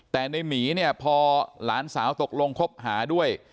แต่ในหมีเนี่ยพอหลานสาวตกลงคบหาด้วย